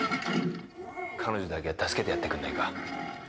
彼女だけは助けてやってくんないか？